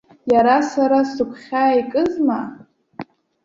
Иара сара сыгәхьаа икызма?